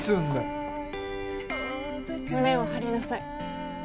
胸を張りなさい。